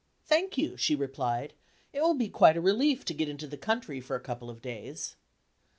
"Thank you," she replied; "it will be quite a relief to get into the country for a couple of days."